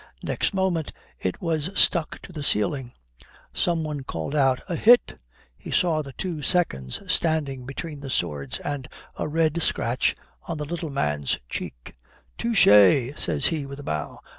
Next moment it was struck up to the ceiling. Some one called out "A hit." He saw the two seconds standing between the swords and a red scratch on the little man's cheek. "Touché," says he with a bow.